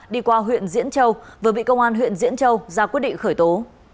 đi qua huyện diễn châu vừa bị công an huyện diễn châu ra quyết định khởi tố